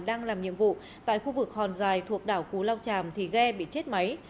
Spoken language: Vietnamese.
đang làm nhiệm vụ tại khu vực hòn giài thuộc đảo củ lao tràm thì ghe bị chết máy